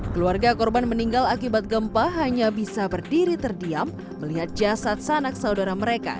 keluarga korban meninggal akibat gempa hanya bisa berdiri terdiam melihat jasad sanak saudara mereka